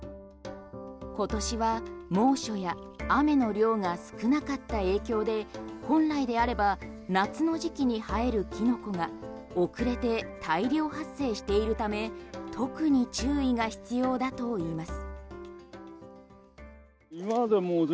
今年は猛暑や雨の量が少なかった影響で本来であれば夏の時期に生えるキノコが遅れて大量発生しているため特に注意が必要だといいます。